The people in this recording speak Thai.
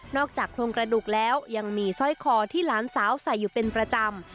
โครงกระดูกแล้วยังมีสร้อยคอที่หลานสาวใส่อยู่เป็นประจำ